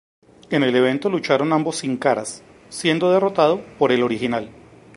En el evento lucharon ambos Sin Caras siendo derrotado por el original.